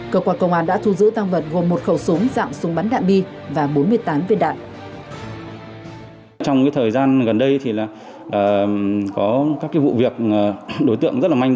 cơ quan công an đã thu giữ tăng vật gồm một khẩu súng dạng súng bắn đạn bi và bốn mươi tám viên đạn